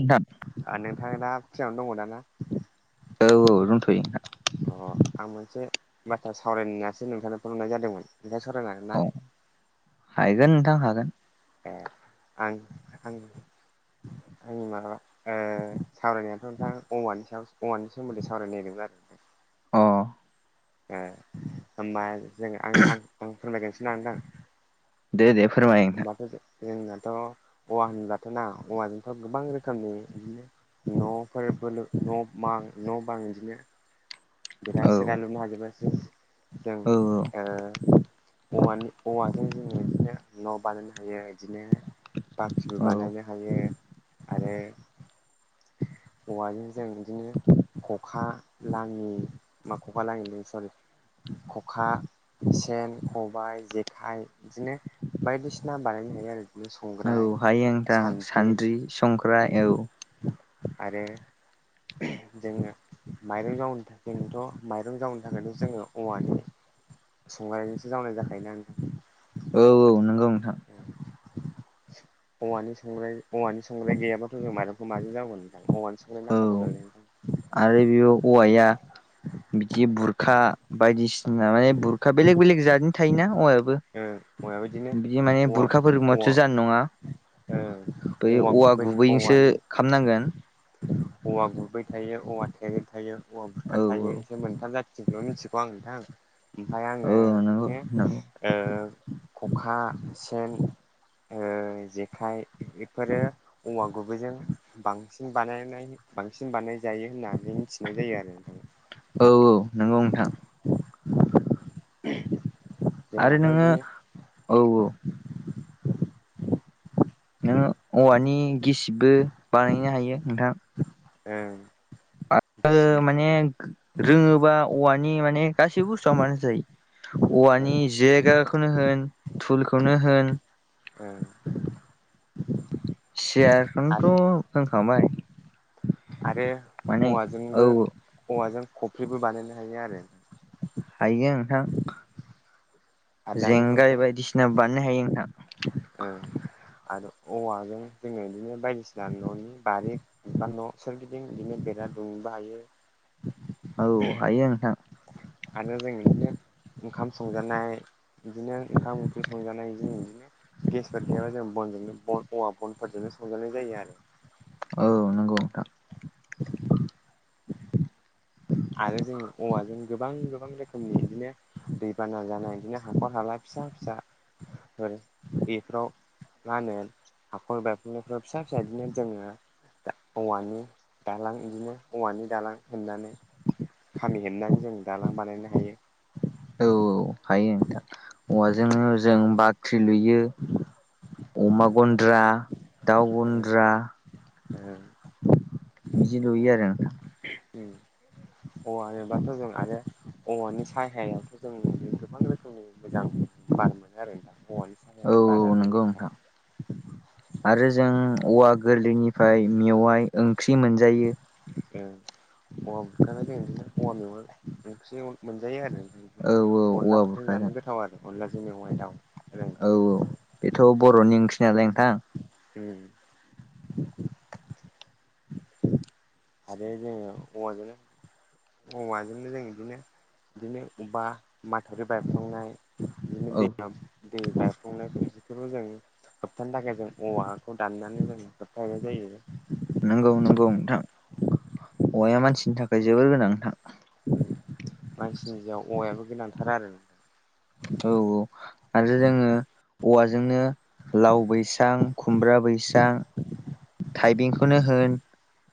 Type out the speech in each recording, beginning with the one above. खोनथाम [unintelligible] ओनिफ्रायबा फ्रियावनो‌ दङ दाना औ औ दोनथ'यो नोंथां अ आं मोनसे बाथ्रा सावरायनायसो नोंथांनो फोर हनाय जादोंमोन ओखाय सावरायनानै अ हायगोन नोंथां हागोन ए आं आं आंनि मालाबा ओ सावरायनायाथ' नोंथां औवानि सायाव औवानि सोमोन्दै सावरायनो नागिरदोंमोन आरो। अ ओ होमबा जों आं आं आं फोरमायगोनसै ना नोंथां। दे दे फोरमाय। नोंथां होमबाथ' जो-जोंनाथ' औवा होनबाथ' ना औवाजोंथ' गोबां रोखोमनि बिदिनो न'फोर बोलो न' मां न' बां बिदिनो बेरा सेरा औ लुनो हाजोबो जों औ ओ औवानि औवाजों जोङो इदिनो न' बानायनो हायो इदिनो बाख्रिबो औ बानायनो हायो आरो औवाजों जों बिदिनो खखा लाङि मा खखा लाङि सरि। खखा सेन खबाय जेखाइ बिदिनो बायदिसिना बानायनो हायो आरो। संग्राय, औ हायो नोंथां सान्द्रि संग्राय औ आरो जोङो माइरं जावनो थाख जोंथ' माइरं जावनो थाखायथ' जोङो औवानि संनायजोंसो जावनाय जाखायोना नोंथां। औ औ नंगौ नोंथां। औवानि संग्राय औवानि संग्राय गैयाबाथ' जों मायरंखौ माजों जावगोन नोंथां औवानि संग्राय नांखागौ औ नालाय नोंथां। आरो बेयाव औवाया बिदि बुरखा बायदिसिना माने बुरखा बेलेग बेलेग जादनि थायोना औवायाबो। ओ औवाया बिदिनो बिदि माने औवा औवा बुरखाफोरोंबाथ' जानाय नङा। ओ बै औवा गुबै गुबैजोंसो औवानि खामनांगोन। औवा गुबै थायो, औवा थेरै थायो, औवा बुरखा औ थायो एसे मोनथाम जाथ थिंखौल' मिथिगौ आं नोंथां ओमफाय आङो औ नंगौ माने नंगौ ओ खखा सेन ओ जेखाइ इफोरो औवा गुबैजों बांसिन बानायनाय बांसिन बानाय जायो होननानै मिथिनाय जायो आरो नोंथां। औ औ नंगौ नोंथां। नोंथां। आरो जोंहाथ' नोङो बिदिनो औ औ नोङो औवानि गिसिबबो बानायनो हायो नोंथां। ओं [inaudible] माने रोङोबा औवानि माने गासिबो बुस्थुआ बानाय जायो। ओ अवानि जिरायग्राखौनो होन थुलखौनो होन ओं सियारखौनथ' होनखांबाय। आरो माने औ औवाजोंबो औवाजों खफ्रिबो बानायनो हायो आरो। हायो नोंथां आरो दानि जुगावथ' जेंगाय बायदिसिनाबो बानायनो हायो नोंथां। ओ आरो औवाजों जोङो इदिनो बायदिसिना न'नि बारि बा न' सोरगिदिं बिदिनो बेरा दुमबो हायो। औ हायो नोंथां। आरो जों बिदिनो ओंखाम संजानाय बिदिनो ओंखाम ओंख्रि संजानाय जों बिदिनो गेसफोर गैयाबा जों बनजोंनो ब औवा बनफोरजोंनो संजानाय जायो आरो। औ नंगौ नोंथां। [inaudible] [inaudible] आरो जों औवाजों गोबां गोबां रोखोमनि बिदिनो दैबाना जानाय बिदिनो हाखर हाला फिसा फिसा फोर बेफोराव लामाया हाखर बायफ्लंनायफ्रा फिसा फिसा बिदिनो जोङो औवानि दालां इदिनो औवानि दालां हेमनानै खामि हेबनानै जों दालां बानायनो हायो। औ औ हायो नोंथां औवाजोंनो जों बाख्रि लुयो। अमा गन्द्रा दाउ गन्द्रा। बिदि लुयो आरो नोंथां। उम औव हेबाथ' जों आरो औवानि साहायावथ' जों गोबां रोखोमनि मोजां बार मोनो आरोना औवानि औ सायानि बारानो नंगौ बेलेगखा नोंथां आरो जों औवा गोरलैनिफ्राय मेवाइ ओंख्रि मोनजायो ओऔवा बुरखा जों औवा मेवाय मोनजायो औ आरो औवा अनलाफोरजों बुरखाजों जानो गोथाव आरो अनलाजों मेवाय दाउ। आरो औ औ बेथ' बर'नि ओंखि नालाय नोंथां। उम आरो जोङो औवाजों। औवाजोंनो जों बिदिनो बिदिनो अबावबा माथावरि बायफ्लांनाय बिदिनो औ दैमाफोरा दै गायफ्लुंनायफोर बिफोरखौ जों होबथानो थाखाय जों औवाखौ दाननानै जों होबथनाय जायो नंगौ नंगौ नोंथां औवाया मानसिनि थाखाय जोबोर गोनां नोंथां। ओ मानसिनि जिउवाउ औवायाबो गेलांथार आरो। औ औ आरो जोङो। औवाजोंनो लाव बैसां खुमब्रा बैसां थाइबेंखौनो होन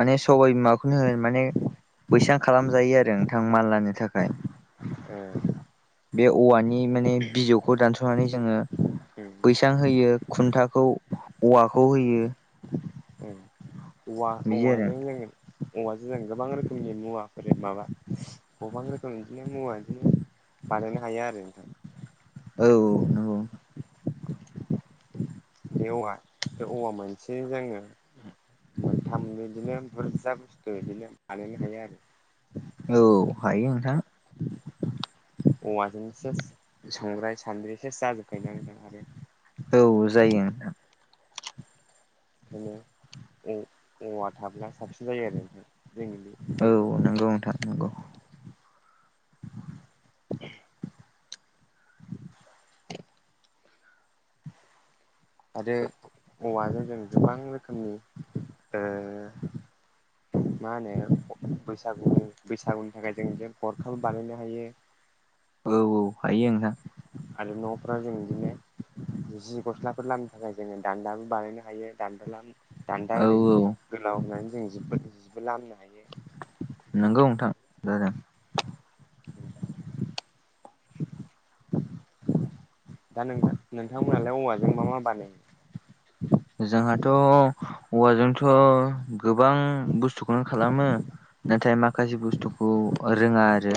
माने सबाय बिमाखौनो होन माने बैसां खालामजायो आरो नोंथां मानलानो थाखाय ओ बे औवानि माने बिजौखौ दानस'नानै जोङो बैसां होयो खुन्थाखौ औवाखौ होयो औवा बिदि आरो औवाजों जोङो औवाजों जों गोबां रोखोमनि मुवाफोर माबा गोबां रोखोम बिदिनो मुवा बिदिनो बानायनो हायो आरो नोंथां औ बे औवा बे औवा मोनसे जोङो मोनथाम बिदिनो बुरजा बुस्थु बिदिनो बानायनो हायो आरो औ हायो नोंथां औवाजोंसो संग्राय सान्द्रि जाजोबखायोना आरो औ जायो नोंथां ओंखायनो औवा थाब्ला साबसिन जायो आरो नोंथां जोंनि बे जिउफ्राव औ नंगौ नोंथां नंगौ। [unintelligible] [unintelligible] [inaudible] [unintelligible] [unintelligible] आरो औवाजों जों गोबां रोखोमनिओ मा होनो बैसागुनि बैसागुनि थाखाय जों बेजों गरखाबो बानायनो हायो [unintelligible] औ औ हायो नोंथां आरो न'फ्रा जों बिदिनो जि गस्लाफोर लामनो थाखाय जोङो दान्दाबो बानायनो हायो। दान्दा औ ओरै औ गोलाव होननानै जों जिबो लामनो हायो। नोंगौ नोंथां जादों दा नोंथां नोंथांमोनहालाय औवाजों मा मा बानायो जोंहाथ' औवाजोंथ' गोबां बुस्थुखौनो खालामो नाथाय माखासे बुस्थुखौ रोङा आरो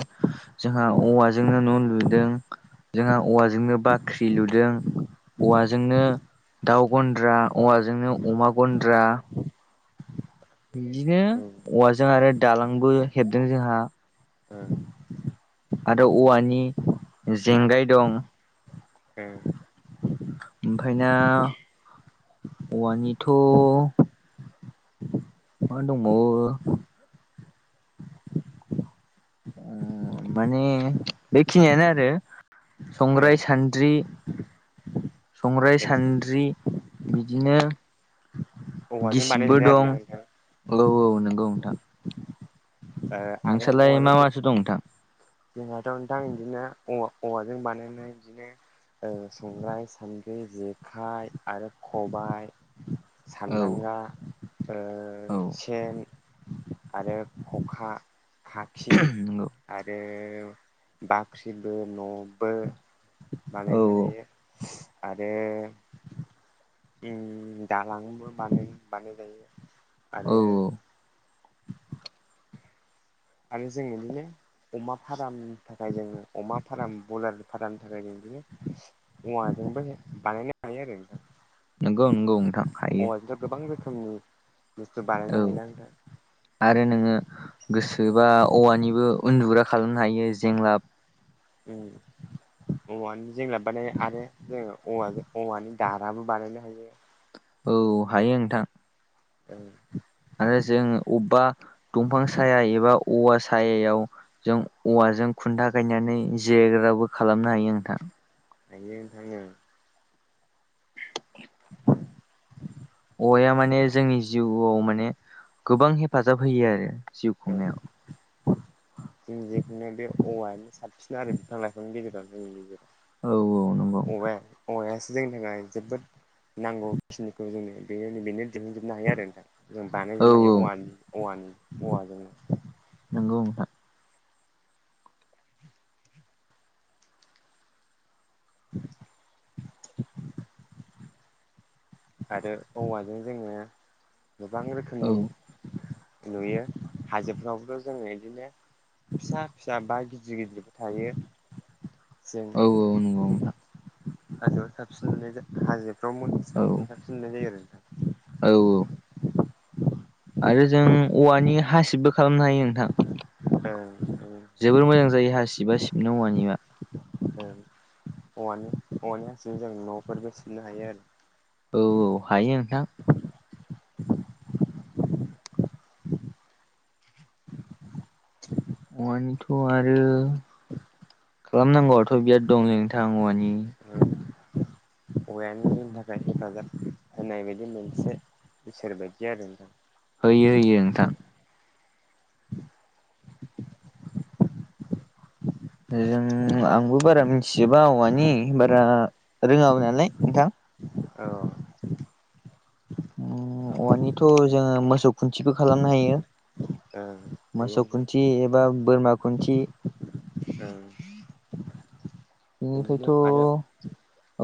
जोंहा औवाजोंनो न' लुदों जोंहा औवाजोंनो बाख्रि लुदों। औवाजोंनो दाउ गन्द्रा औवाजोंनो अमा गन्द्रा बिदिनो ओं औवाजों आरो दालांबो हेबदों जोंहा। ओं आरो औवानि जेंगाय दं। ओं ओमफायना औवानिथ' मा दंबावो उम माने बेखिनियानो आरो ओं संग्राय सान न्द्रि संग्राय ओं सान्द्रि बिदिनो औवाजों गिसिबबो दं बानायजोबनाय औ औ नंगौ नोंथां। ओ आरो नोंसोरलाय औवाजों मा ज' माथो दं नोंथां जोंहाथ' नोंथां बिदिनो औवाजों बानायनाय बिदिनो ओ संग्राइ सान्द्रि जेखाइ आरो खबाइ औ सानदांगा औ सेन आरो खखा खाखि नंगौ आरो बाख्रिबो न'बो औ बानायनो हायो। आरो उम दालांबो बानाय बानायनाय जायो औ आरो [inaudible] आरो जों बिदिनो अमा फारामनि थाखाय जोङो अमा फाराम बयलार फारामनि थाखाय जों बिदिनो औवाजोंबो बानायनो हायो आरो नोंथां। नोंगौ नोंगौ नोंथां हायो। औवाजोंथ' गोबां रोखोमनि बुस्थु बानायनो हायो औ ना नोंथां। आरो नोङो गोसोबा औवानिबो उन्दुग्रा खालामनो हायो जेंलाब। उम औवानि जेंलाब बाने आरो जोङो औवाजों औवानि दाराबो बानायनो हायो। औ हायो नोंथां। ओं आरो जों अबबा दंफां साया एबा औवा सायायाव जों औवाजों खुन्था गायनानै जिरायग्राबो खालामनो हायो नोंथां। हायो नोंथां ओं। औवाया माने जोंनि जिउआव माने गोबां हेफाजाब होयो आरो। जिउ खुंनायाव औ जों जिखुनो बे औवायानो साबसिन आरो बिफां लाइफांनि गेजेरावनो जोंनि गेजेराव। औ औ नंगौ नोंथां। औवाया औवायासो जोंनि थाखाय जोबोद नांगौ खिनिखौ जोंनो बे-बेनो दिहुनजोबनो हायो आरो नोंथां। जों औ बानायजोबनो हायो औ औवानि-औवानि-औवाजों। नोंगौ नोंथां। [inaudible] आरो औवाजों जोङो गोबां औ रोखोमनि नुयो हाजोफ्रावबोथ' जोंङो इदिनो फिसा फिसा बा गिदिर गिदिरबो थायो जों औ औ नंगौ नोंथां। हाजोआव साबसिन मोननायजों हाजोफ्राव मोन साबसिन औ साबसिन मोननाय जायो आरो नोंथां। औ औ। आरो जों औवानि हासिबबो खालामनो हायो नोंथां। आरो नोंथां जोबोर मोजां जायो हासिबा सिबिनो औवानिया। औवानि औवानि हासिबजों जों न'फोरबो सिबनो हायो आरो औ औ हायो नोंथां औवानिथ' आरो खालामनांगौआथ' बिराद दं नोंथां औवानि अवारनिसनि थाखाय हेफाजाब होनाय बायदि मोनसे इसोर बायदि आरो नोंथां होयो होयो नोंथां [unintelligible] जों आंबो बारा मिथिजोबा औवानि बारा रोङाब नालाय नोंथां औ औवानिथ' जोङो मोसौ खुन्थिबो खालामनो हायो ओं हायो मोसौ नोंथां खुन्थि एबा बोरमा खुन्थि औ बिदिनो बेनिफ्रायथ' औ आरो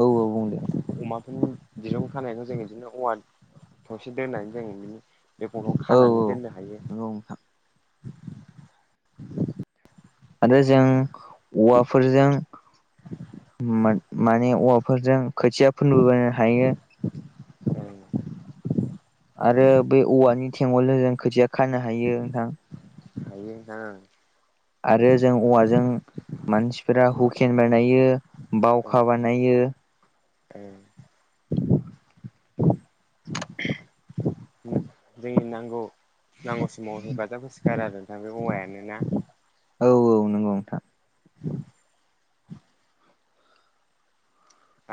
औ बुंदो नोंथां अमाफोरनि दिरुं खानायखौ जों बिदिनो औवा थसे दोननानै जों बि बे गफोरखौखौ औ खानानै दोननो हायो औ नंगौ नोंथां आरो जों औवाफोरजों माने औवाफोरजों खोथिया फोनबोबोनो हायो ओं आरो बेै औवानि थेंगलजों जों खोथिया खानो हायो नोंथां हायो आं आरो जों औवाजों मानसिफोरा हुकेन बानायो बावखा ओं बानायो [unintelligible] जोंनि नांगौ नांगौ समाव हेफाजाब होसोगारो आरो नोंथां बे औवायानो ना औ औ नंगौ नोंथां [unintelligible]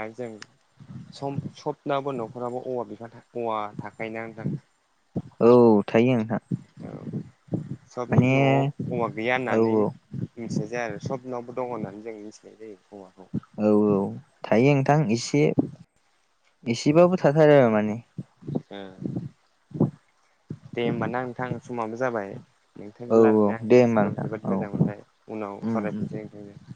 आरो जों सम सबनाबो न'खरावबो औवा बिफां औवा थाखायोना नोंथां औ थायो नोंथां औ सबनि माने न'आव अवा गैया औ होननानै मिथिनाय जाया आरो सबनावबो दङ होननानै जों मिथिनाय जायो अवाखौ औ औ थायो नोंथां एसे एसेबाबो थाथारो आरो माने दे होमबाना नोंथां समाबो जाबाय औ नोंथांजों औ रायलायनाया आं दे होमबा गोसोखौ नोंथां जोबोद औ मोजां मोनबाय उनाव उम उम सावरायफिनसै नोंथांजों